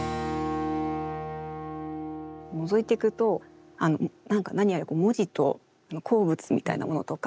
のぞいていくと何か何やら文字と鉱物みたいなものとか。